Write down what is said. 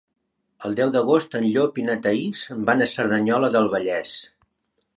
El deu d'agost en Llop i na Thaís van a Cerdanyola del Vallès.